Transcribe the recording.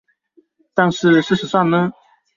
但是事實上呢